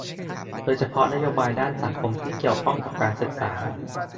โดยเฉพาะนโยบายด้านสังคมที่เกี่ยวข้องกับการศึกษา